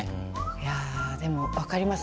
いやぁでも分かります。